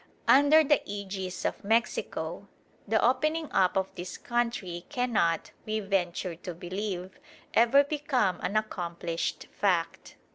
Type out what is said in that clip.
Under the ægis of Mexico the opening up of this country cannot, we venture to believe, ever become an accomplished fact.